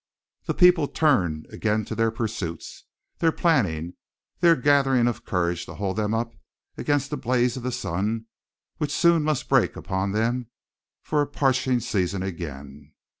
The people turned again to their pursuits, their planning, their gathering of courage to hold them up against the blaze of sun which soon must break upon them for a parching season again.